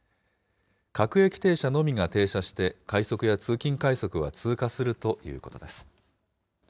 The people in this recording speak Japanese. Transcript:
各駅停車のみが停車して、快速や通勤快速は通過するということです。